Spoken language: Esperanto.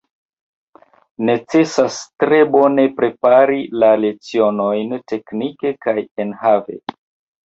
Necesas tre bone prepari la lecionojn teknike kaj enhave.